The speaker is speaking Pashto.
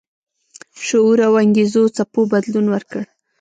شعور او انګیزو څپو بدلون ورکړ.